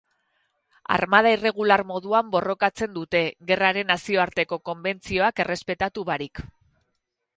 Armada irregular moduan borrokatzen dute, gerraren nazioarteko konbentzioak errespetatu barik.